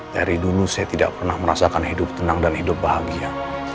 dari dulu saya tidak pernah merasakan hidup tenang dan hidup bahagia